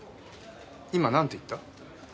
今なんて言った？